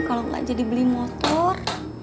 kalau nggak jadi beli motor